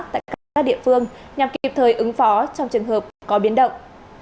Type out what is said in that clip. tại các địa phương nhằm kịp thời ứng phó trong trường hợp có biến động